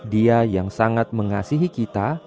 dia yang sangat mengasihi kita